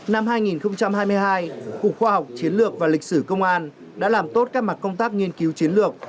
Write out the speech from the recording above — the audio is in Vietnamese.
năm hai nghìn hai mươi hai cục khoa học chiến lược và lịch sử công an đã làm tốt các mặt công tác nghiên cứu chiến lược